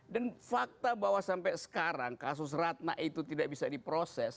dan fakta bahwa sampai sekarang kasus ratna itu tidak bisa diproses